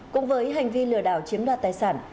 cùng với hành vi lừa đảo chiếm đoạt tài sản